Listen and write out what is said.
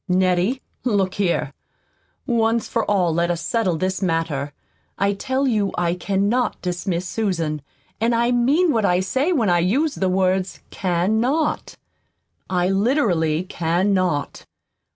"Nettie, look here. Once for all let us settle this matter. I tell you I cannot dismiss Susan; and I mean what I say when I use the words 'can not.' I literally CAN NOT.